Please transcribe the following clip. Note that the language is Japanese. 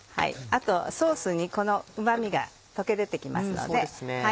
あとソースにこのうま味が溶け出て来ますので。